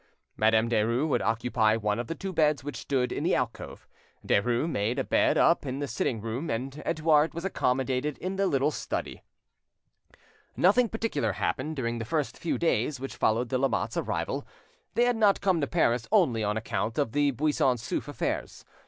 Madame Derues would occupy one of the two beds which stood in the alcove. Derues had a bed made up in the sitting room, and Edouard was accommodated in the little study. Nothing particular happened during the first few days which followed the Lamottes' arrival. They had not come to Paris only on account of the Buisson Souef affairs.